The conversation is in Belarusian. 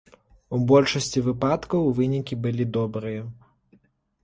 У большасці выпадкаў вынікі былі добрыя.